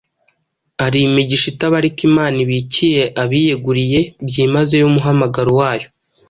Hari imigisha itabarika Imana ibikiye abiyeguriye byimazeyo umuhamagaro wayo.